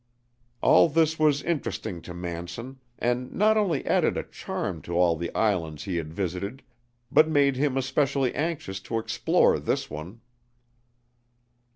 All this was interesting to Manson, and not only added a charm to all the islands he had visited, but made him especially anxious to explore this one.